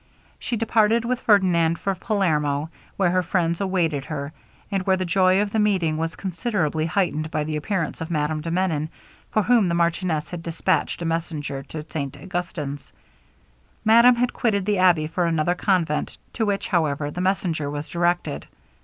She departed with Ferdinand for Palermo, where her friends awaited her, and where the joy of the meeting was considerably heightened by the appearance of Madame de Menon, for whom the marchioness had dispatched a messenger to St Augustin's. Madame had quitted the abbey for another convent, to which, however, the messenger was directed.